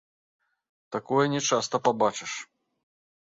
Такое не часта пабачыш.